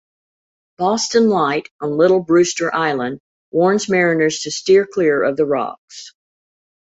Boston Light on Little Brewster Island warns mariners to steer clear of the rocks.